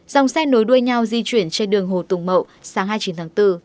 dòng xe nối đuôi nhau di chuyển trên đường hồ tùng mậu sáng hai mươi chín tháng bốn